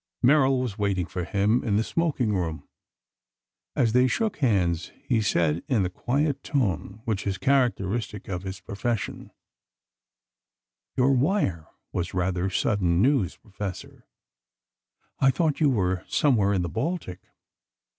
Merrill was waiting for him in the smoking room. As they shook hands, he said in the quiet tone which is characteristic of his profession: "Your wire was rather sudden news, Professor. I thought you were somewhere in the Baltic.